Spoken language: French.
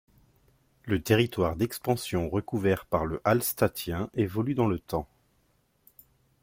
Le territoire d'expansion recouvert par le Hallstattien évolue dans le temps.